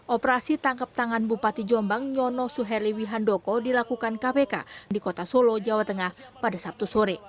operasi tangkap tangan bupati jombang nyono suherli wihandoko dilakukan kpk di kota solo jawa tengah pada sabtu sore